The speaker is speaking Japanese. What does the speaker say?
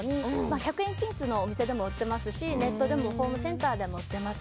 １００円均一のお店でも売ってますしネットでもホームセンターでも売ってます。